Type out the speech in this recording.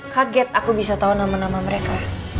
kaget aku bisa tahu nama nama mereka